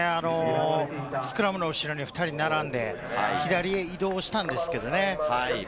スクラムの後ろに２人並んで、左へ移動したんですけれどね。